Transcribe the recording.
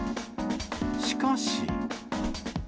しかし。